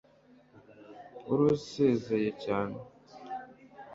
wari usezeye cyane